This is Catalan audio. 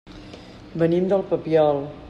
Venim del Papiol.